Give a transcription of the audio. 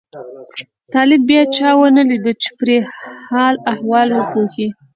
طالب بیا چا ونه لیده چې پرې حال احوال وپوښي.